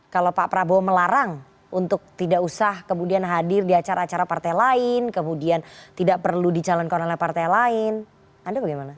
kalau pak prabowo melarang untuk tidak usah kemudian hadir di acara acara partai lain kemudian tidak perlu dicalonkan oleh partai lain anda bagaimana